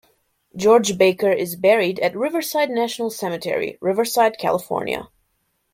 George Baker is buried at Riverside National Cemetery, Riverside, California.